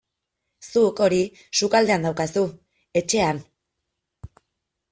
Zuk hori sukaldean daukazu, etxean.